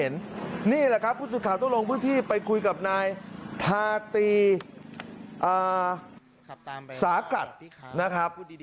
นี่แหละครับผู้สื่อข่าวต้องลงพื้นที่ไปคุยกับนายทาตีสากรัฐนะครับ